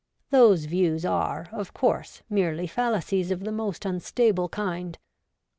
Those views are, of course, merely fallacies of the most unstable kind.